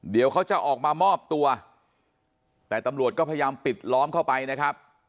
เดี๋ยวเขาจะออกมามอบตัวแต่ตำรวจก็พยายามปิดล้อมเข้าไปนะครับ